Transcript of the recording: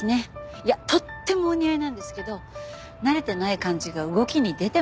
いやとってもお似合いなんですけど慣れてない感じが動きに出てます。